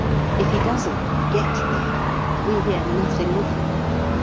If he doesn't "get there," we hear nothing of him.